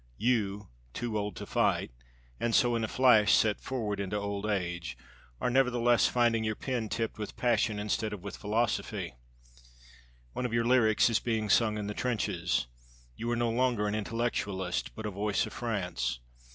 You, 'too old to fight,' and so in a flash set forward into old age, are nevertheless finding your pen tipped with passion instead of with philosophy. One of your lyrics is being sung in the trenches. You are no longer an intellectualist, but a voice of France.